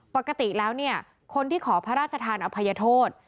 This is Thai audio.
ปกติแล้วคนที่ขอพระราชธรรมอภัยโทษ